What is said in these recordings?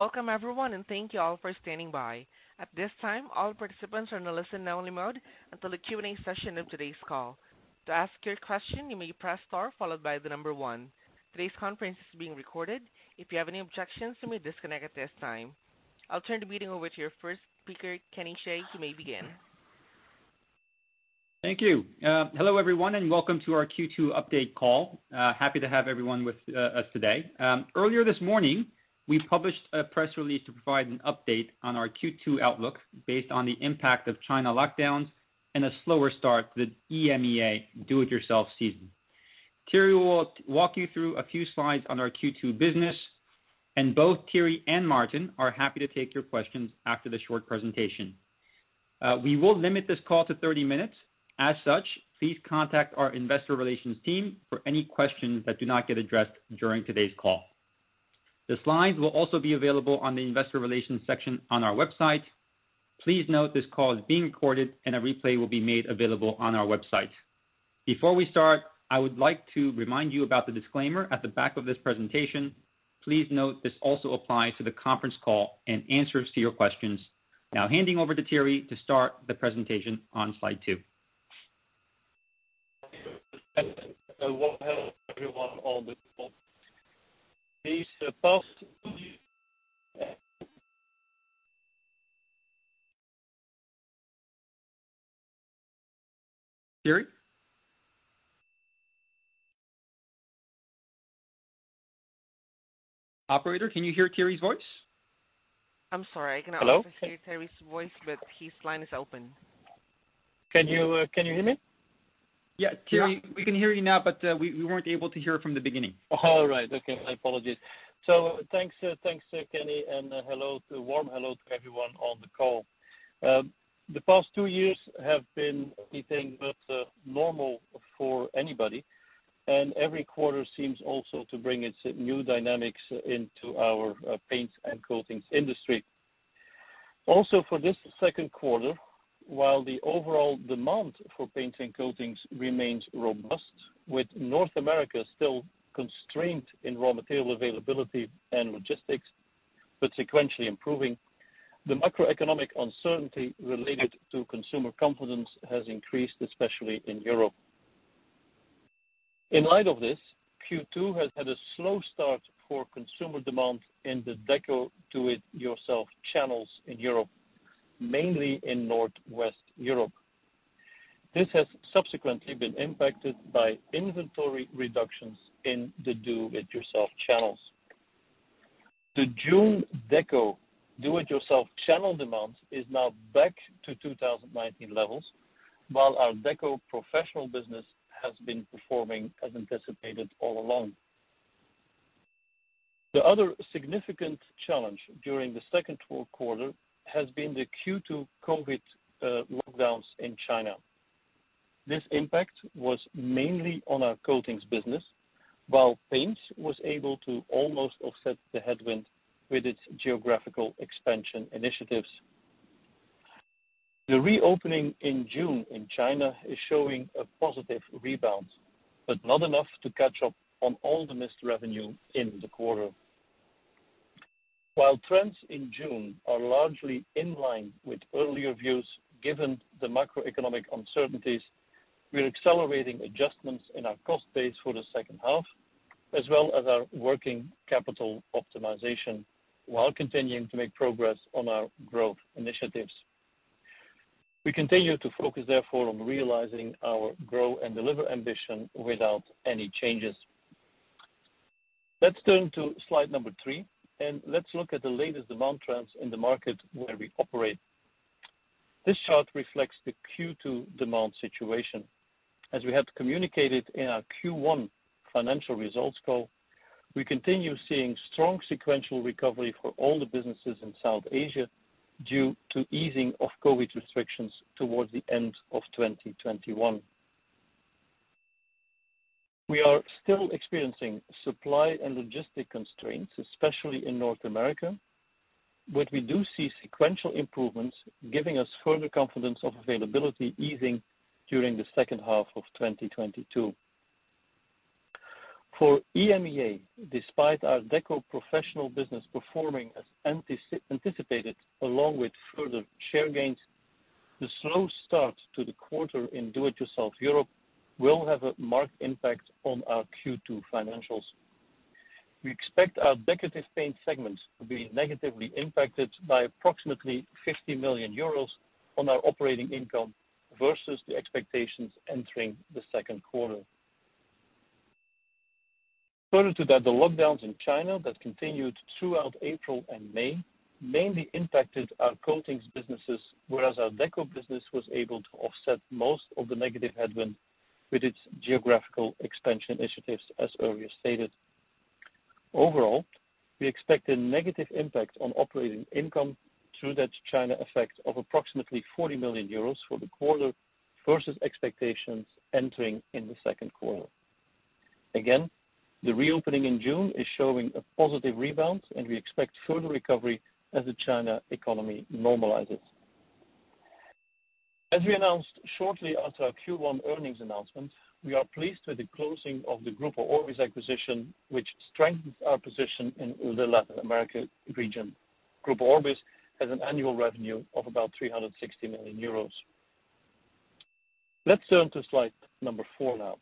Welcome, everyone, and thank you all for standing by. At this time, all participants are in the listen-only mode until the Q&A session of today's call. To ask your question, you may press star followed by the number one. Today's conference is being recorded. If you have any objections, you may disconnect at this time. I'll turn the meeting over to your first speaker, Kenny Chae, who may begin. Thank you. Hello, everyone, and welcome to our Q2 update call. Happy to have everyone with us today. Earlier this morning, we published a press release to provide an update on our Q2 outlook based on the impact of China lockdowns and a slower start to the EMEA do-it-yourself season. Thierry will walk you through a few slides on our Q2 business, and both Thierry and Maarten are happy to take your questions after the short presentation. We will limit this call to 30 minutes. As such, please contact our investor relations team for any questions that do not get addressed during today's call. The slides will also be available on the investor relations section on our website. Please note this call is being recorded, and a replay will be made available on our website. Before we start, I would like to remind you about the disclaimer at the back of this presentation. Please note this also applies to the conference call and answers to your questions. Now, handing over to Thierry to start the presentation on slide two. Thank you. Hello, everyone. These are the first. Thierry? Operator, can you hear Thierry's voice? I'm sorry. I cannot hear Thierry's voice, but his line is open. Can you hear me? Yeah, Thierry, we can hear you now, but we weren't able to hear from the beginning. All right. Okay. My apologies. So thanks, Kenny, and a warm hello to everyone on the call. The past two years have been anything but normal for anybody, and every quarter seems also to bring its new dynamics into our paint and coatings industry. Also, for this second quarter, while the overall demand for paints and coatings remains robust, with North America still constrained in raw material availability and logistics, but sequentially improving, the macroeconomic uncertainty related to consumer confidence has increased, especially in Europe. In light of this, Q2 has had a slow start for consumer demand in the deco do-it-yourself channels in Europe, mainly in Northwest Europe. This has subsequently been impacted by inventory reductions in the do-it-yourself channels. The June deco do-it-yourself channel demand is now back to 2019 levels, while our deco professional business has been performing as anticipated all along. The other significant challenge during the second quarter has been the Q2 COVID lockdowns in China. This impact was mainly on our coatings business, while paint was able to almost offset the headwind with its geographical expansion initiatives. The reopening in June in China is showing a positive rebound, but not enough to catch up on all the missed revenue in the quarter. While trends in June are largely in line with earlier views, given the macroeconomic uncertainties, we're accelerating adjustments in our cost base for the second half, as well as our working capital optimization, while continuing to make progress on our growth initiatives. We continue to focus, therefore, on realizing our grow and deliver ambition without any changes. Let's turn to slide number three, and let's look at the latest demand trends in the market where we operate. This chart reflects the Q2 demand situation. As we had communicated in our Q1 financial results call, we continue seeing strong sequential recovery for all the businesses in South Asia due to the easing of COVID restrictions towards the end of 2021. We are still experiencing supply and logistic constraints, especially in North America, but we do see sequential improvements, giving us further confidence of availability easing during the second half of 2022. For EMEA, despite our deco professional business performing as anticipated, along with further share gains, the slow start to the quarter in do-it-yourself Europe will have a marked impact on our Q2 financials. We expect our decorative paint segment to be negatively impacted by approximately 50 million euros on our operating income versus the expectations entering the second quarter. Further to that, the lockdowns in China that continued throughout April and May mainly impacted our coatings businesses, whereas our deco business was able to offset most of the negative headwind with its geographical expansion initiatives, as earlier stated. Overall, we expect a negative impact on operating income through that China effect of approximately 40 million euros for the quarter versus expectations entering in the second quarter. Again, the reopening in June is showing a positive rebound, and we expect further recovery as the China economy normalizes. As we announced shortly after our Q1 earnings announcement, we are pleased with the closing of the Grupo Orbis acquisition, which strengthens our position in the Latin America region. Grupo Orbis has an annual revenue of about 360 million euros. Let's turn to slide number four now.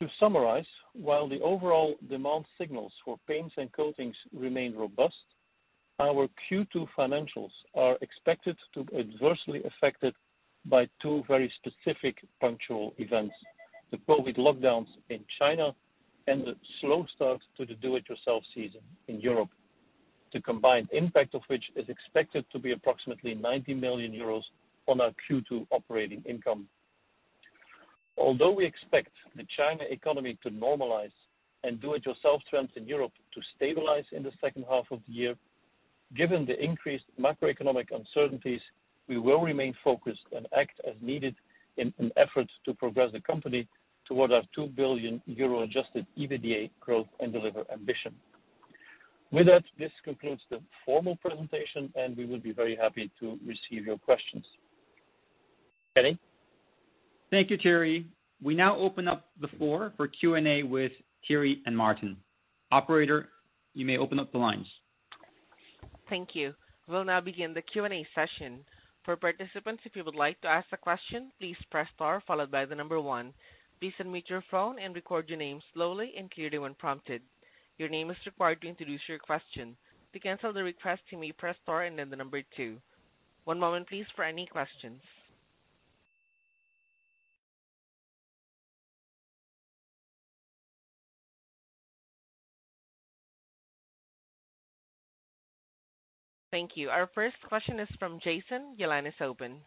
To summarize, while the overall demand signals for paints and coatings remain robust, our Q2 financials are expected to be adversely affected by two very specific punctual events: the COVID lockdowns in China and the slow start to the do-it-yourself season in Europe, the combined impact of which is expected to be approximately 90 million euros on our Q2 operating income. Although we expect the China economy to normalize and do-it-yourself trends in Europe to stabilize in the second half of the year, given the increased macroeconomic uncertainties, we will remain focused and act as needed in an effort to progress the company toward our 2 billion euro adjusted EBITDA growth and deliver ambition. With that, this concludes the formal presentation, and we would be very happy to receive your questions. Kenny? Thank you, Thierry. We now open up the floor for Q&A with Thierry and Maarten. Operator, you may open up the lines. Thank you. We'll now begin the Q&A session. For participants, if you would like to ask a question, please press star followed by the number 1. Please unmute your phone and record your name slowly and clearly when prompted. Your name is required to introduce your question. To cancel the request, you may press star and then the number 2. One moment, please, for any questions. Thank you. Our first question is from Chetan Udeshi. Your line is open.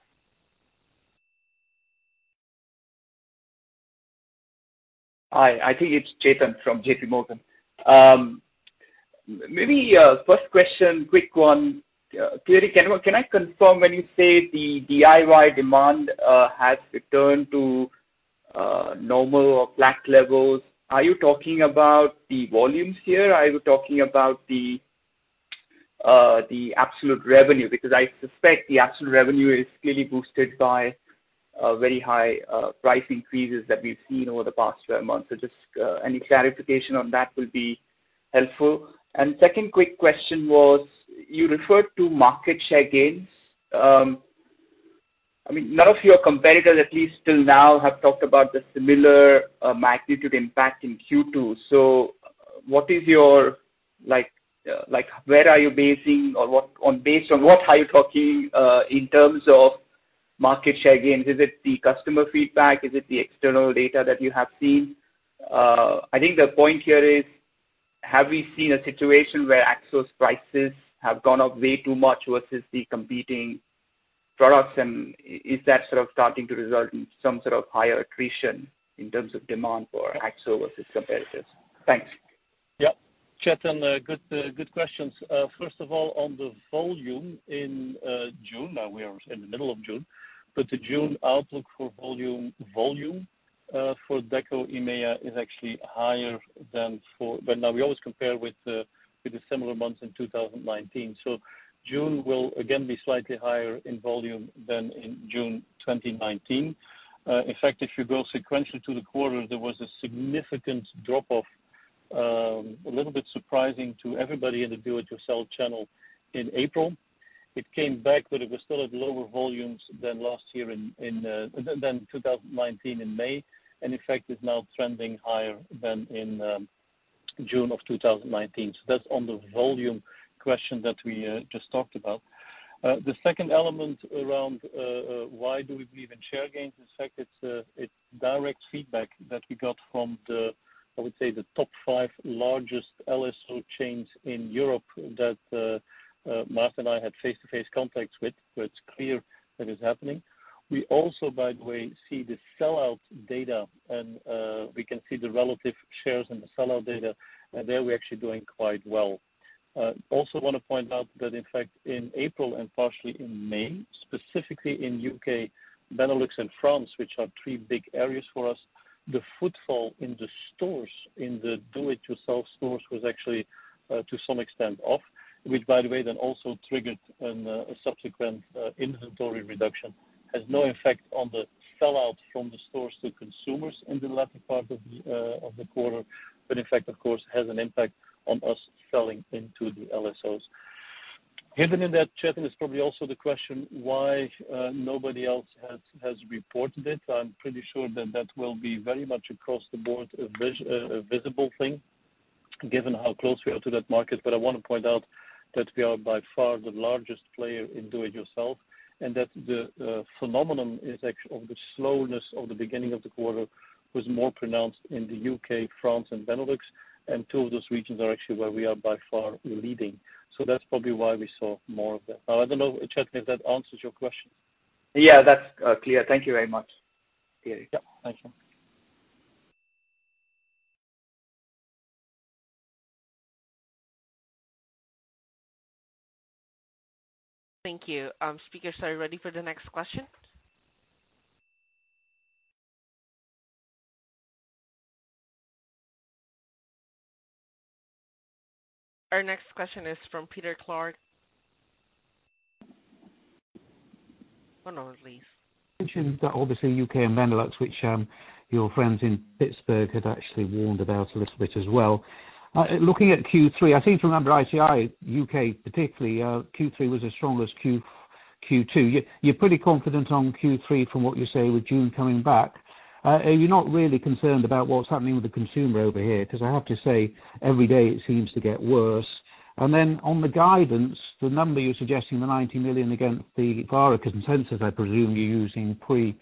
Hi. I think it's Chetan from J.P. Morgan. Maybe first question, quick one. Thierry, can I confirm when you say the DIY demand has returned to normal or flat levels, are you talking about the volumes here? Are you talking about the absolute revenue? Because I suspect the absolute revenue is clearly boosted by very high price increases that we've seen over the past 12 months. So just any clarification on that would be helpful. And second quick question was, you referred to market share gains. I mean, none of your competitors, at least till now, have talked about the similar magnitude impact in Q2. So what is your where are you basing or based on what are you talking in terms of market share gains? Is it the customer feedback? Is it the external data that you have seen? I think the point here is, have we seen a situation where Akzo's prices have gone up way too much versus the competing products? And is that sort of starting to result in some sort of higher attrition in terms of demand for Akzo versus competitors? Thanks. Yeah. Chetan, good questions. First of all, on the volume in June, now we are in the middle of June, but the June outlook for volume for deco EMEA is actually higher than for now we always compare with the similar months in 2019. So June will again be slightly higher in volume than in June 2019. In fact, if you go sequentially to the quarter, there was a significant drop-off, a little bit surprising to everybody in the do-it-yourself channel in April. It came back, but it was still at lower volumes than last year in than 2019 in May. And in fact, it's now trending higher than in June of 2019. So that's on the volume question that we just talked about. The second element around why do we believe in share gains? In fact, it's direct feedback that we got from the, I would say, the top five largest LSO chains in Europe that Maarten and I had face-to-face contacts with, but it's clear that it's happening. We also, by the way, see the sell-out data, and we can see the relative shares in the sell-out data, and there we're actually doing quite well. Also want to point out that, in fact, in April and partially in May, specifically in the UK, Benelux, and France, which are three big areas for us, the footfall in the stores in the do-it-yourself stores was actually to some extent off, which, by the way, then also triggered a subsequent inventory reduction. It has no effect on the sell-out from the stores to consumers in the latter part of the quarter, but in fact, of course, has an impact on us selling into the LSOs. Hidden in that, Chetan, is probably also the question why nobody else has reported it. I'm pretty sure that that will be very much across the board a visible thing, given how close we are to that market. But I want to point out that we are by far the largest player in do-it-yourself, and that the phenomenon of the slowness of the beginning of the quarter was more pronounced in the U.K., France, and Benelux, and two of those regions are actually where we are by far leading. So that's probably why we saw more of that. Now, I don't know, Chetan, if that answers your question? Yeah, that's clear. Thank you very much, Thierry. Yeah. Thank you. Thank you. Speakers, are you ready for the next question? Our next question is from Peter Clark. Oh, no, it leaves. Mentioned obviously UK and Benelux, which your friends in Pittsburgh had actually warned about a little bit as well. Looking at Q3, I seem to remember ITI, UK particularly, Q3 was as strong as Q2. You're pretty confident on Q3 from what you say with June coming back. Are you not really concerned about what's happening with the consumer over here? Because I have to say, every day it seems to get worse. And then on the guidance, the number you're suggesting, the 90 million against the Vara consensus, I presume you're using pre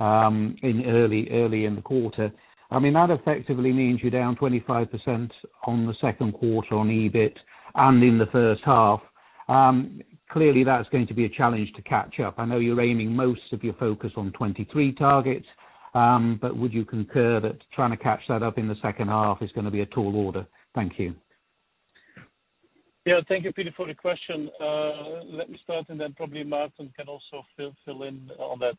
in early in the quarter. I mean, that effectively means you're down 25% on the second quarter on EBIT and in the first half. Clearly, that's going to be a challenge to catch up. I know you're aiming most of your focus on 23 targets, but would you concur that trying to catch that up in the second half is going to be a tall order? Thank you. Yeah. Thank you, Peter, for the question. Let me start, and then probably Maarten can also fill in on that.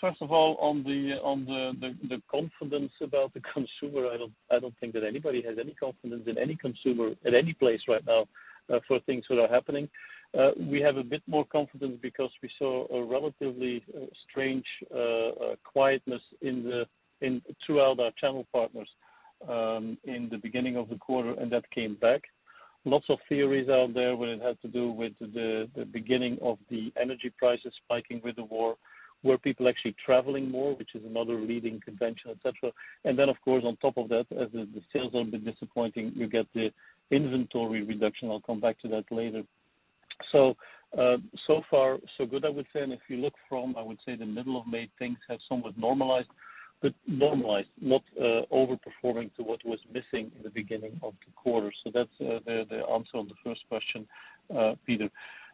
First of all, on the confidence about the consumer, I don't think that anybody has any confidence in any consumer at any place right now for things that are happening. We have a bit more confidence because we saw a relatively strange quietness throughout our channel partners in the beginning of the quarter, and that came back. Lots of theories out there when it had to do with the beginning of the energy prices spiking with the war, were people actually traveling more, which is another leading convention, etc. And then, of course, on top of that, as the sales are a bit disappointing, you get the inventory reduction. I'll come back to that later. So far, so good, I would say. And if you look from, I would say, the middle of May, things have somewhat normalized, but normalized, not overperforming to what was missing in the beginning of the quarter. So that's the answer on the first question, Peter.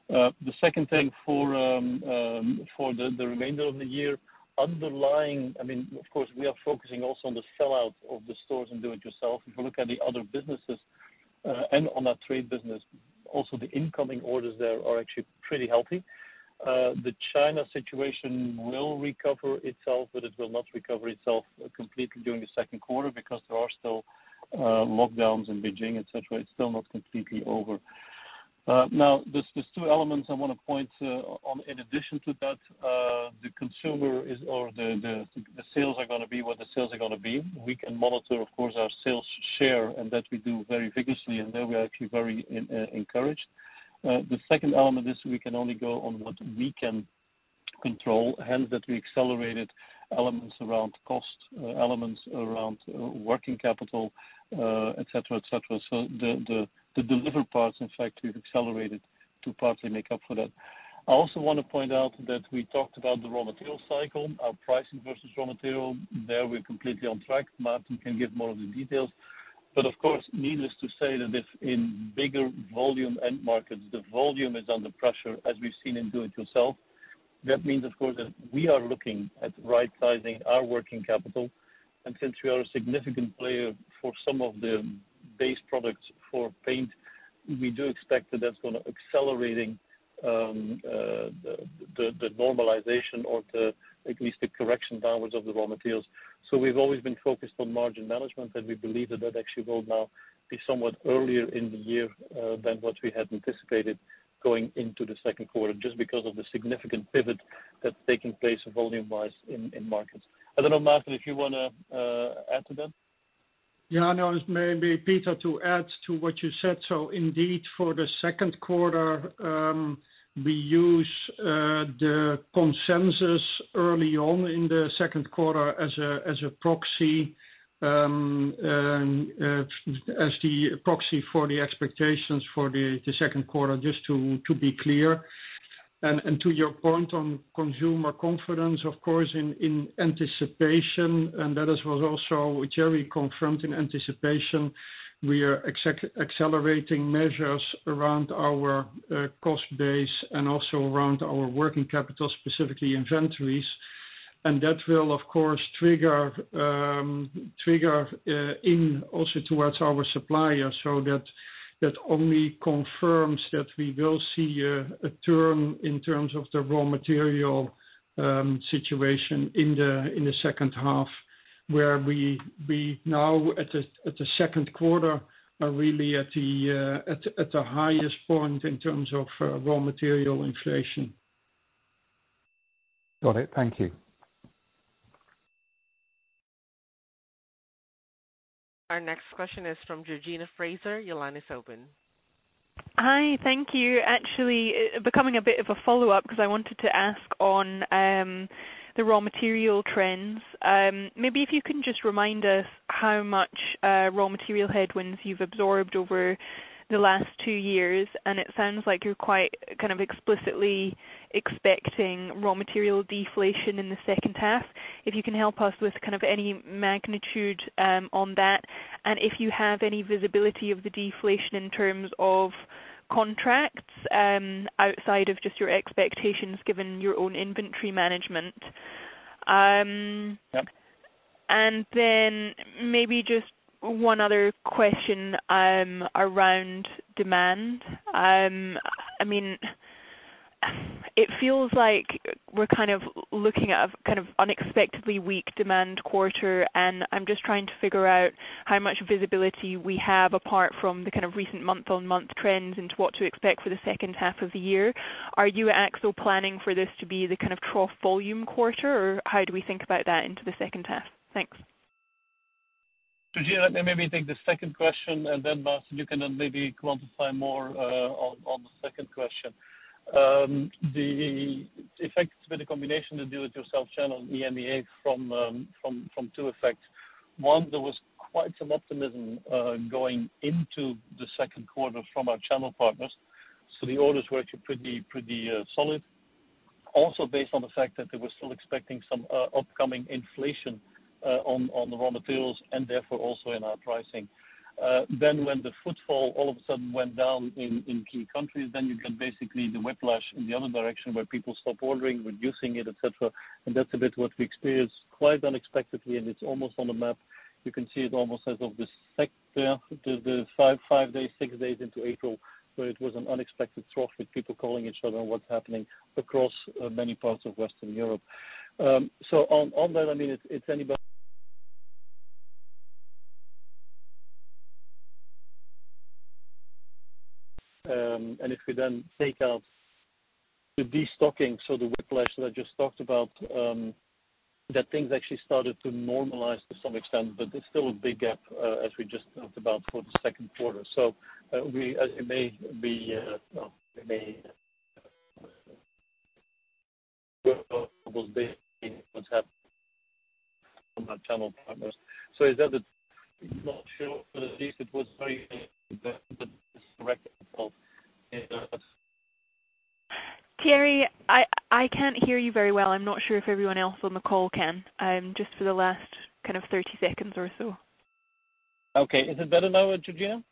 The second thing for the remainder of the year, underlying, I mean, of course, we are focusing also on the sell-out of the stores and do-it-yourself. If we look at the other businesses and on our trade business, also the incoming orders there are actually pretty healthy. The China situation will recover itself, but it will not recover itself completely during the second quarter because there are still lockdowns in Beijing, etc. It's still not completely over. Now, there's two elements I want to point on. In addition to that, the consumer is or the sales are going to be what the sales are going to be. We can monitor, of course, our sales share, and that we do very vigorously, and there we are actually very encouraged. The second element is we can only go on what we can control, hence that we accelerated elements around cost, elements around working capital, etc., etc. So the delivered parts, in fact, we've accelerated to partly make up for that. I also want to point out that we talked about the raw material cycle, our pricing versus raw material. There we're completely on track. Maarten can give more of the details. But of course, needless to say that if in bigger volume end markets, the volume is under pressure, as we've seen in do-it-yourself, that means, of course, that we are looking at right-sizing our working capital. And since we are a significant player for some of the base products for paint, we do expect that that's going to accelerate the normalization or at least the correction downwards of the raw materials. So we've always been focused on margin management, and we believe that that actually will now be somewhat earlier in the year than what we had anticipated going into the second quarter, just because of the significant pivot that's taking place volume-wise in markets. I don't know, Maarten, if you want to add to that. Yeah. And I was maybe Peter to add to what you said. So indeed, for the second quarter, we use the consensus early on in the second quarter as a proxy as the proxy for the expectations for the second quarter, just to be clear. And to your point on consumer confidence, of course, in anticipation, and that was also Thierry confirmed in anticipation, we are accelerating measures around our cost base and also around our working capital, specifically inventories. And that will, of course, trigger in also towards our suppliers. So that only confirms that we will see a turn in terms of the raw material situation in the second half, where we now, at the second quarter, are really at the highest point in terms of raw material inflation. Got it. Thank you. Our next question is from Georgina Fraser. Your line is open. Hi. Thank you. Actually, becoming a bit of a follow-up because I wanted to ask on the raw material trends. Maybe if you can just remind us how much raw material headwinds you've absorbed over the last two years. And it sounds like you're quite kind of explicitly expecting raw material deflation in the second half. If you can help us with kind of any magnitude on that, and if you have any visibility of the deflation in terms of contracts outside of just your expectations given your own inventory management. And then maybe just one other question around demand. I mean, it feels like we're kind of looking at a kind of unexpectedly weak demand quarter, and I'm just trying to figure out how much visibility we have apart from the kind of recent month-on-month trends into what to expect for the second half of the year. Are you at AkzoNobel planning for this to be the kind of trough volume quarter, or how do we think about that into the second half? Thanks. Georgina, let me maybe take the second question, and then Maarten, you can then maybe quantify more on the second question. The effects with the combination of do-it-yourself channel and EMEA from two effects. One, there was quite some optimism going into the second quarter from our channel partners. So the orders were actually pretty solid, also based on the fact that they were still expecting some upcoming inflation on the raw materials and therefore also in our pricing. Then when the footfall all of a sudden went down in key countries, then you get basically the whiplash in the other direction where people stop ordering, reducing it, etc. And that's a bit what we experienced quite unexpectedly, and it's almost on the map. You can see it almost as of the second half, the 5 days, 6 days into April, where it was an unexpected trough with people calling each other on what's happening across many parts of Western Europe. So on that, I mean, it's anybody. And if we then take out the destocking, so the whiplash that I just talked about, that things actually started to normalize to some extent, but there's still a big gap, as we just talked about, for the second quarter. So we may be well able to see what's happening from our channel partners. So is that the. Not sure, but at least it was very correct. Thierry, I can't hear you very well. I'm not sure if everyone else on the call can, just for the last kind of 30 seconds or so. Okay. Is it better now, Georgina?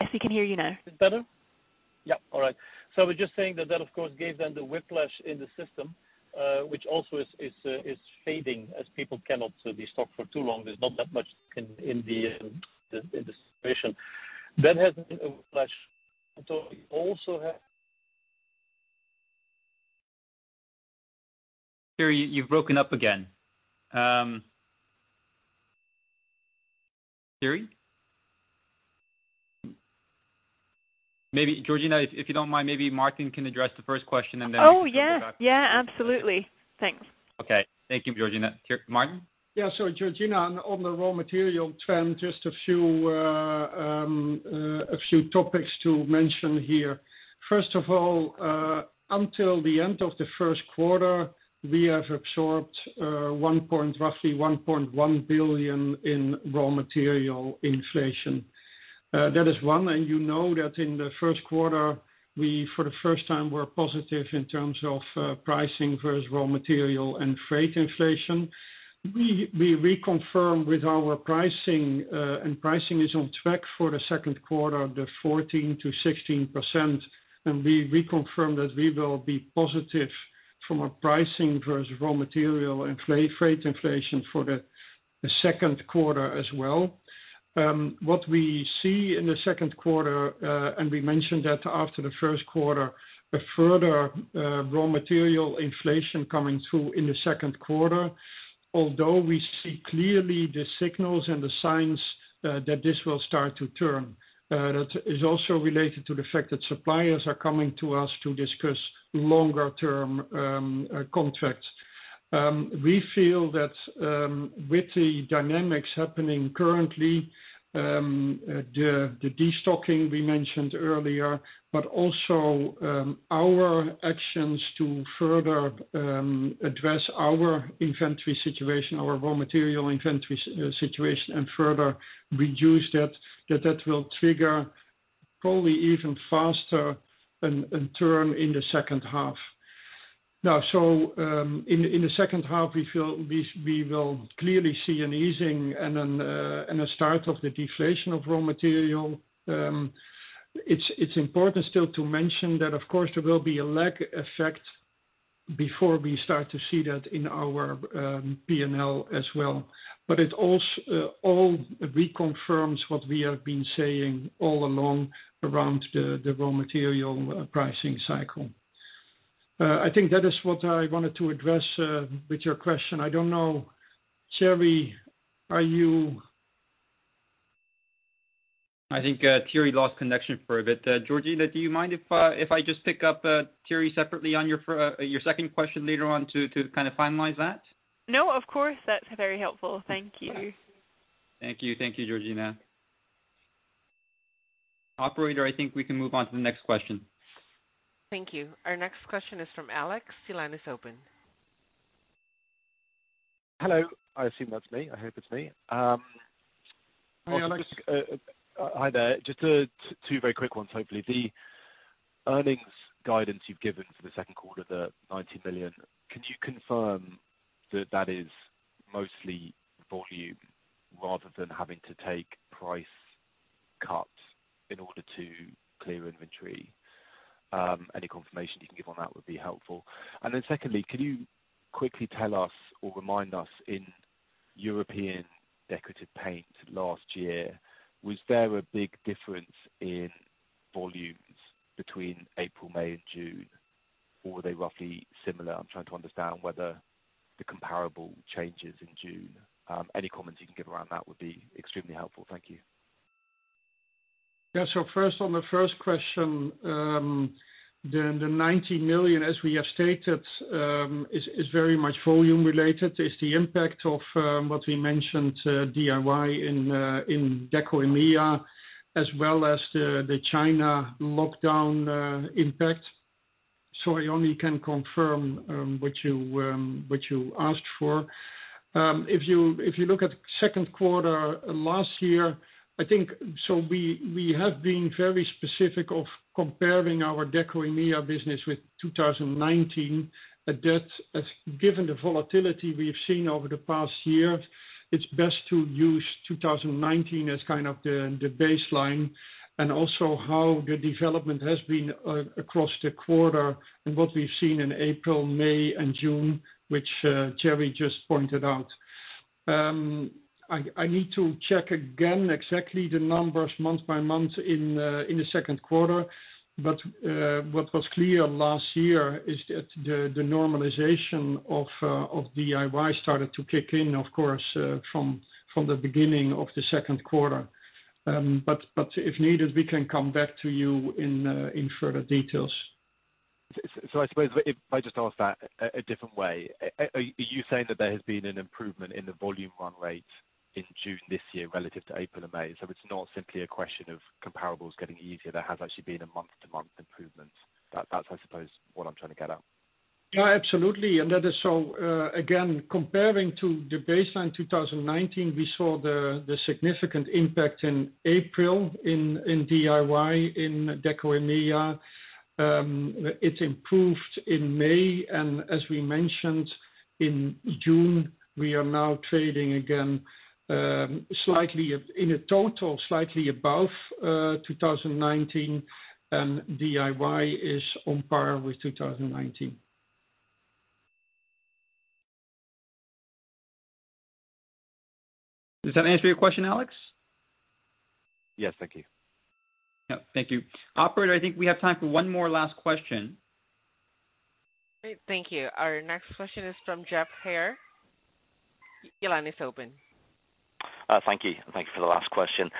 Yes, we can hear you now. Is it better? Yep. All right. So we're just saying that that, of course, gave them the whiplash in the system, which also is fading as people cannot be stuck for too long. There's not that much in the situation. That hasn't been a whiplash. So we also have. Thierry, you've broken up again. Thierry? Maybe Georgina, if you don't mind, maybe Maarten can address the first question and then we can go back. Oh, yeah. Yeah, absolutely. Thanks. Okay. Thank you, Georgina. Maarten? Yeah. So Georgina, on the raw material trend, just a few topics to mention here. First of all, until the end of the first quarter, we have absorbed roughly 1.1 billion in raw material inflation. That is one. And you know that in the first quarter, we for the first time were positive in terms of pricing versus raw material and freight inflation. We reconfirmed with our pricing, and pricing is on track for the second quarter, the 14%-16%. And we reconfirmed that we will be positive from our pricing versus raw material and freight inflation for the second quarter as well. What we see in the second quarter, and we mentioned that after the first quarter, a further raw material inflation coming through in the second quarter, although we see clearly the signals and the signs that this will start to turn. That is also related to the fact that suppliers are coming to us to discuss longer-term contracts. We feel that with the dynamics happening currently, the destocking we mentioned earlier, but also our actions to further address our inventory situation, our raw material inventory situation, and further reduce that, that that will trigger probably even faster a turn in the second half. Now, so in the second half, we will clearly see an easing and a start of the deflation of raw material. It's important still to mention that, of course, there will be a lag effect before we start to see that in our P&L as well. But it also reconfirms what we have been saying all along around the raw material pricing cycle. I think that is what I wanted to address with your question. I don't know, Thierry, are you? I think Thierry lost connection for a bit. Georgina, do you mind if I just pick up Thierry separately on your second question later on to kind of finalize that? No, of course. That's very helpful. Thank you. Thank you. Thank you, Georgina. Operator, I think we can move on to the next question. Thank you. Our next question is from Alex. Your line is open. Hello. I assume that's me. I hope it's me. Hi, Alex. Hi there. Just two very quick ones, hopefully. The earnings guidance you've given for the second quarter, the 90 million, can you confirm that that is mostly volume rather than having to take price cuts in order to clear inventory? Any confirmation you can give on that would be helpful. And then secondly, can you quickly tell us or remind us in European decorative paint last year, was there a big difference in volumes between April, May, and June, or were they roughly similar? I'm trying to understand whether the comparable changes in June. Any comments you can give around that would be extremely helpful. Thank you. Yeah. So first, on the first question, the 90 million, as we have stated, is very much volume-related. It's the impact of what we mentioned, DIY in Deco EMEA, as well as the China lockdown impact. So I only can confirm what you asked for. If you look at the second quarter last year, I think so we have been very specific of comparing our Deco EMEA business with 2019. Given the volatility we've seen over the past year, it's best to use 2019 as kind of the baseline and also how the development has been across the quarter and what we've seen in April, May, and June, which Thierry just pointed out. I need to check again exactly the numbers month by month in the second quarter. But what was clear last year is that the normalization of DIY started to kick in, of course, from the beginning of the second quarter. If needed, we can come back to you in further details. So I suppose if I just ask that a different way, are you saying that there has been an improvement in the volume run rate in June this year relative to April and May? So it's not simply a question of comparables getting easier. There has actually been a month-to-month improvement. That's, I suppose, what I'm trying to get at. Yeah, absolutely. And that is so, again, comparing to the baseline 2019, we saw the significant impact in April in DIY in Deco EMEA. It's improved in May. And as we mentioned, in June, we are now trading again slightly in a total, slightly above 2019, and DIY is on par with 2019. Does that answer your question, Alex? Yes. Thank you. Yeah. Thank you. Operator, I think we have time for one more last question. Great. Thank you. Our next question is from Geoff Haire. Your line is open. Thank you. Thank you for the last question.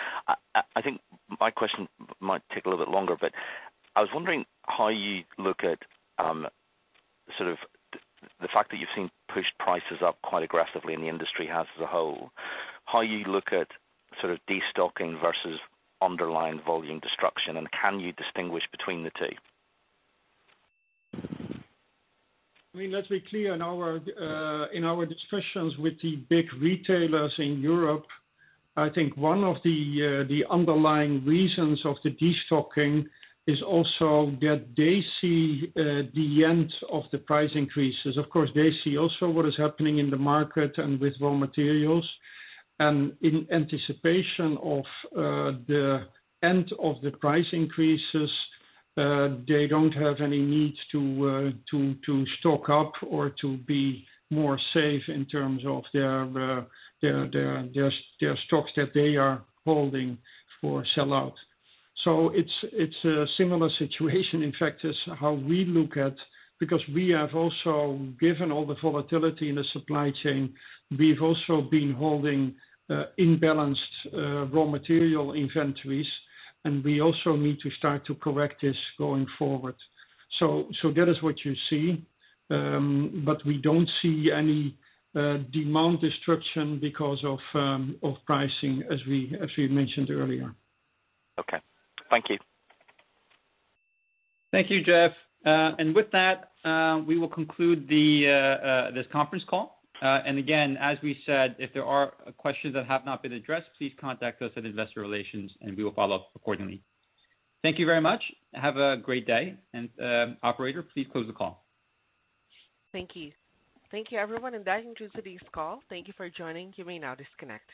I think my question might take a little bit longer, but I was wondering how you look at sort of the fact that you've seen pushed prices up quite aggressively in the industry as a whole. How do you look at sort of destocking versus underlying volume destruction, and can you distinguish between the two? I mean, let's be clear. In our discussions with the big retailers in Europe, I think one of the underlying reasons of the destocking is also that they see the end of the price increases. Of course, they see also what is happening in the market and with raw materials. In anticipation of the end of the price increases, they don't have any need to stock up or to be more safe in terms of their stocks that they are holding for sellout. It's a similar situation. In fact, it's how we look at because we have also given all the volatility in the supply chain, we've also been holding imbalanced raw material inventories, and we also need to start to correct this going forward. That is what you see. We don't see any demand destruction because of pricing, as we mentioned earlier. Okay. Thank you. Thank you, Geoff. And with that, we will conclude this conference call. And again, as we said, if there are questions that have not been addressed, please contact us at Investor Relations, and we will follow up accordingly. Thank you very much. Have a great day. And Operator, please close the call. Thank you. Thank you, everyone. That concludes today's call. Thank you for joining. You may now disconnect.